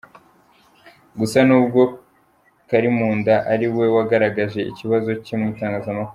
Gusa n’ubwo Karimunda ariwe wagaragaje ikibazo cye mu itangazamakuru.